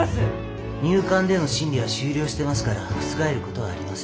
入管での審理は終了してますから覆ることはありません。